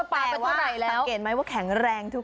แต่บ้างครับสังเกตไหมว่าแข็งแรงทุกคน